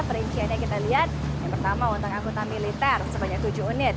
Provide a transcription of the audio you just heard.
perinciannya kita lihat yang pertama untuk anggota militer sebanyak tujuh unit